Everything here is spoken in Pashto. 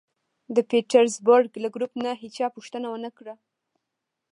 د پېټرزبورګ له ګروپ نه هېچا پوښتنه و نه کړه